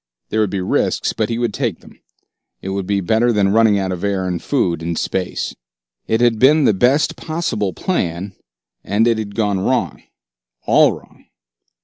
There would be risks, but he would take them. It would be better than running out of air and food in space. It had been the best possible plan, and it had gone wrong, all wrong.